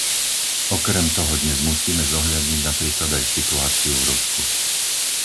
Okrem toho dnes musíme zohľadniť napríklad aj situáciu v Rusku.